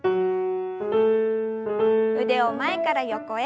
腕を前から横へ。